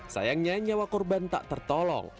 sayangnya nyawa korban tak tertolong